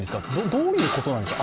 どういうことですか？